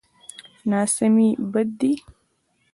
ناسمي بد دی.